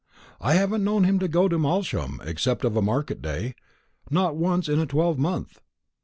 "I haven't known him go to Malsham, except of a market day, not once in a twelvemonth.